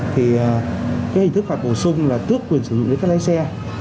thì cái hình thức phạt bổ sung là tước quyền sử dụng giấy phép lái xe